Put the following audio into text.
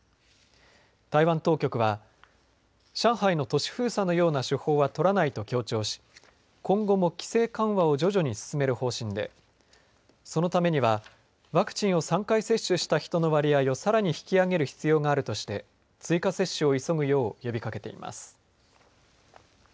台湾当局は上海の都市封鎖のような手法は取らないと強調し今後も規制緩和を徐々に進める方針でそのためにはワクチンを３回接種した人の割合をさらに引き上げる必要があるとして追加接種を急ぐよう呼びかけています。